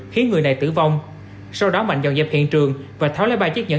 khiến người này tử vong sau đó mạnh dọn dẹp hiện trường và tháo lấy ba chiếc nhẫ